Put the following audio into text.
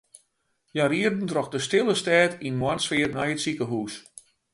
Hja rieden troch de stille stêd yn moarnssfear nei it sikehûs.